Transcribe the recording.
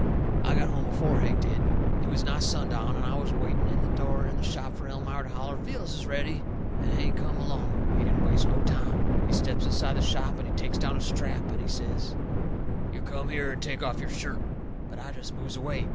I got home before Hank did. It was nigh sundown, and I was waiting in the door of the shop fur Elmira to holler vittles is ready, and Hank come along. He didn't waste no time. He steps inside the shop and he takes down a strap and he says: "You come here and take off your shirt." But I jest moves away.